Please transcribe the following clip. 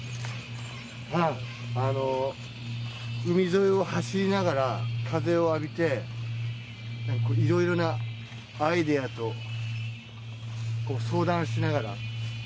海沿いを走りながら風を浴びて、いろいろなアイデアと相談しながら。